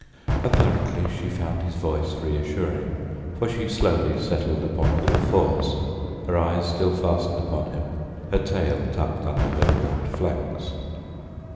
Apparently she found his voice reassuring, for she slowly settled upon all fours, her eyes still fastened upon him, her tail tucked under her gaunt flanks.